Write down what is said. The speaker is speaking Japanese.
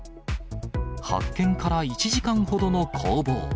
発見から１時間ほどの攻防。